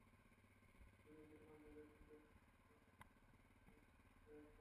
কিন্তু মেসি-রোনালদো যুগে football সাংবাদিকদেরও record নিয়ে ঘাঁটাঘাঁটি বিস্তর করতে হয়েছে।